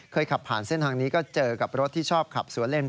ขับผ่านเส้นทางนี้ก็เจอกับรถที่ชอบขับสวนเล่น